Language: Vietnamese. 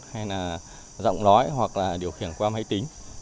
hay là giọng nói hoặc là điều khiển qua máy tính